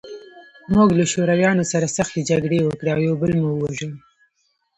موږ له شورویانو سره سختې جګړې وکړې او یو بل مو وژل